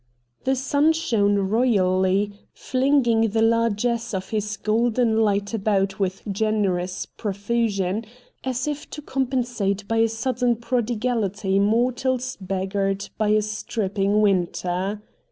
The sun shone royally, flinging the largesse of his golden light about with generous profusion, as if to compensate by a THE CULTURE COLLEGE 177 sudden prodigality mortals beggared by a stripping winter.